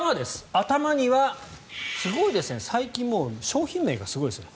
頭には、すごいですね最近もう商品名がすごいですね。